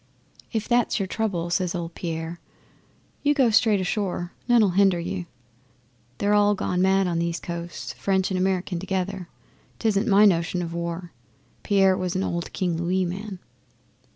'"If that's your trouble," says old Pierre, "you go straight ashore. None'll hinder you. They're all gone mad on these coasts French and American together. 'Tisn't my notion o' war." Pierre was an old King Louis man.